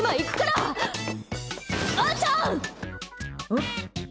うん？